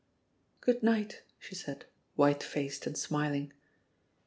"Good night," she said, white faced and smil ing.